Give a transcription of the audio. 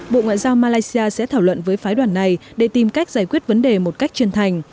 bộ ngoại giao malaysia sẽ thảo luận với phái đoàn này để tìm cách giải quyết vấn đề một cách chân thành